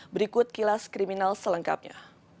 berikut kilas kriminal selengkapnya